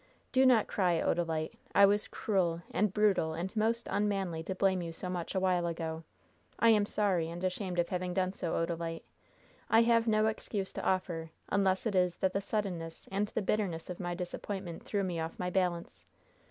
"Do not cry, Odalite. I was cruel, and brutal, and most unmanly to blame you so much a while ago. I am sorry and ashamed of having done so, Odalite. I have no excuse to offer, unless it is that the suddenness and the bitterness of my disappointment threw me off my balance.